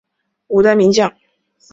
五代名将。